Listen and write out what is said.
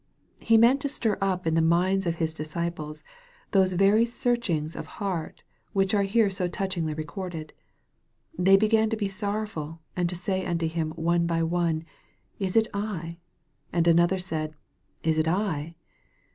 He meant to stir up in the minds of his disciples, those very searchings of heart which are here so touchingly recorded :" They began to be sorrowful, and to say unto Him one by one, Is it I ? and another said, Is it I